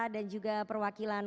dan juga perwakilan